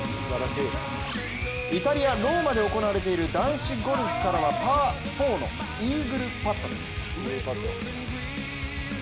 イタリア・ローマで行われている男子ゴルフからはパー４のイーグルパットです。